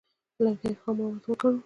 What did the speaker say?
لرګي خام مواد وګڼو.